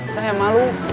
saya yang malu